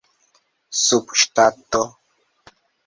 subŝtato